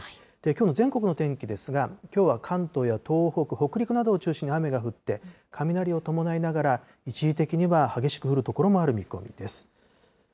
きょうの全国の天気ですが、きょうは関東や東北、北陸などを中心に雨が降って、雷を伴いながら、一時的に激しく降る所もある見込みです。